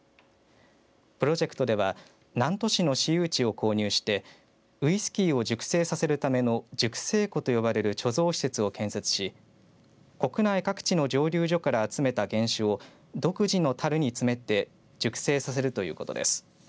プロジェクトでは南砺市の市有地を購入してウイスキーを熟成させるための熟成庫と呼ばれる貯蔵施設を建設し国内各地の蒸留所から集めた原酒を独自のたるに詰めて熟成させるということです。